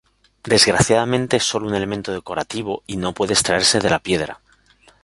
Desgraciadamente es sólo un elemento decorativo y no puede extraerse de la piedra.